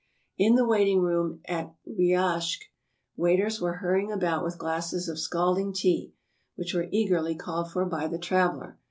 In the waiting room at Riajsk waiters were hurrying about with glasses of scalding tea, which were eagerly called for by the traveler.